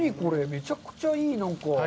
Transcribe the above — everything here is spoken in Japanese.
めちゃくちゃいい、なんか。